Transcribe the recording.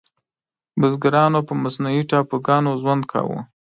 بزګرانو په مصنوعي ټاپوګانو ژوند کاوه.